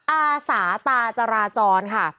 อาสาตาจราจรค่ะ